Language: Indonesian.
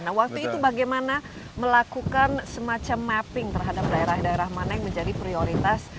nah waktu itu bagaimana melakukan semacam mapping terhadap daerah daerah mana yang menjadi prioritas